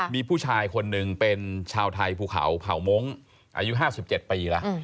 มีผู้ชายคนหนึ่งเป็นชาวไทยภูเขาเผ่ามงค์อายุ๕๗ปีแล้ว